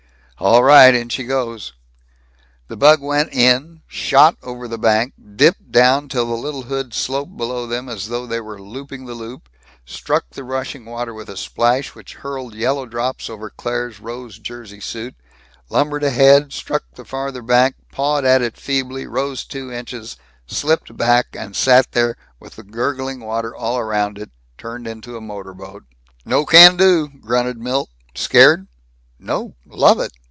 "All right. In she goes!" The bug went in shot over the bank, dipped down till the little hood sloped below them as though they were looping the loop, struck the rushing water with a splash which hurled yellow drops over Claire's rose jersey suit, lumbered ahead, struck the farther bank, pawed at it feebly, rose two inches, slipped back, and sat there with the gurgling water all around it, turned into a motor boat. "No can do," grunted Milt. "Scared?" "Nope. Love it!